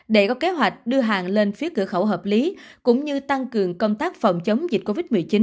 để có kế hoạch đưa hàng lên phía cửa khẩu hợp lý cũng như tăng cường công tác phòng chống dịch covid một mươi chín